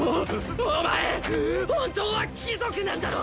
おお前本当は貴族なんだろう！